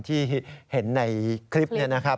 ที่เห็นในคลิปนี้นะครับ